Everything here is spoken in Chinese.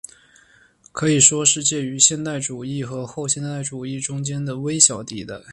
可以说是介于现代主义和后现代主义中间的微小地带。